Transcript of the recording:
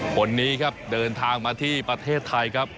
คนนี้ครับเดินทางมาที่ประเทศไทยครับ